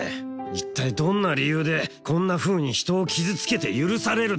一体どんな理由でこんなふうにヒトを傷つけて許される